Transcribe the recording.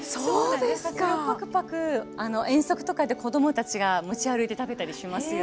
パクパク遠足とかで子供たちが持ち歩いて食べたりしますよ。